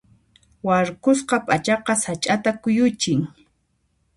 Warkusqa p'achaqa sach'ata kuyuchin.